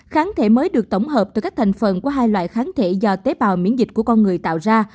kháng thể mới được tổng hợp từ các thành phần của hai loại kháng thể do tế bào miễn dịch của con người tạo ra